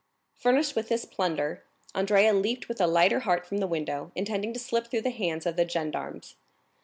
Furnished with this plunder, Andrea leaped with a lighter heart from the window, intending to slip through the hands of the gendarmes.